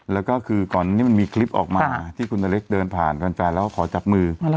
แล้วก็คือก่อนนี้มันมีคลิปออกมาที่คุณนเล็กเดินผ่านแฟนแล้วก็ขอจับมือ